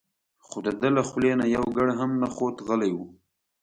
خو دده له خولې نه یو ګړ هم نه خوت غلی و.